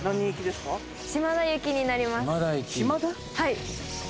はい。